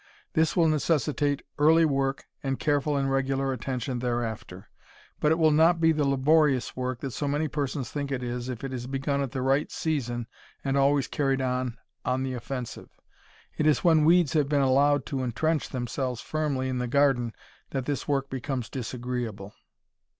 This will necessitate early work and careful and regular attention thereafter, but it will not be the laborious work that so many persons think it is if it is begun at the right season and always carried on on the offensive. It is when weeds have been allowed to intrench themselves firmly in the garden that this work becomes disagreeable.